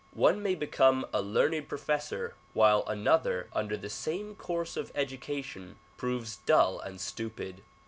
One may become a learned professor while another under the same course of educa tion proves dull and stupid.